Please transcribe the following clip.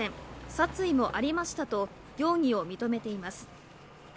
殺意もありましたと容疑を認めています。